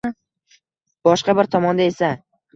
Boshqa bir tomonda esa